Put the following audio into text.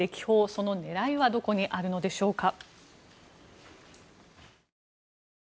その狙いはどこにあるのでしょうか。